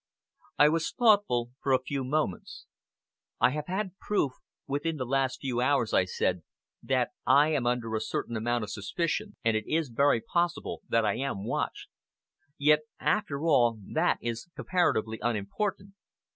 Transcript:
I was thoughtful for a few moments. "I have had proof within the last few hours," I said, "that I am under a certain amount of suspicion, and it is very possible that I am watched. Yet, after all, that is comparatively unimportant.